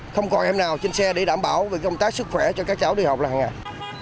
không còn em nào trên xe để đảm bảo về công tác sức khỏe cho các cháu đi học là ngày